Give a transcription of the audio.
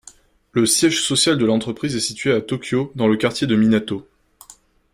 Le siège social de l'entreprise est situé à Tōkyō dans le quartier de Minato.